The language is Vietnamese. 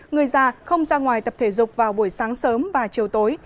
người già không ra ngoài tập thể dục vào buổi sáng sớm và chiều tối